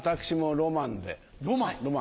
ロマン？